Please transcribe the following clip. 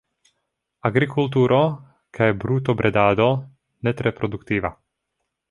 Agrikulturo kaj brutobredado, ne tre produktiva.